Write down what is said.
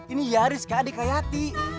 ini yaris kakak adik kayati